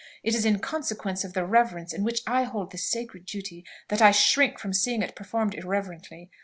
It is in consequence of the reverence in which I hold this sacred duty, that I shrink from seeing it performed irreverently.